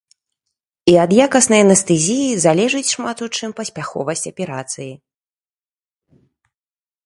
І ад якаснай анестэзіі залежыць шмат у чым паспяховасць аперацыі.